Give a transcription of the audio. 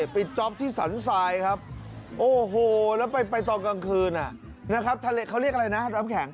จ๊อปที่สรรทรายครับโอ้โหแล้วไปตอนกลางคืนนะครับทะเลเขาเรียกอะไรนะน้ำแข็ง